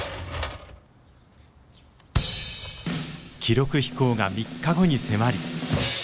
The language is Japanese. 記録飛行が３日後に迫り。